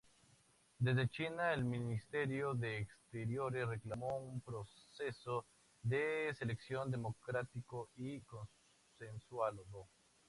Desde China, el ministerio de Exteriores reclamó un proceso de selección democrático y consensuado.